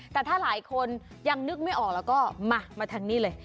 แต่ถ้าหลายคนยังนึกไม่ออกแล้วก็มามาทางนี้เลย